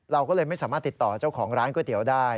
เราก็เลยไม่สามารถติดต่อเจ้าของร้านก๋วยเตี๋ยวได้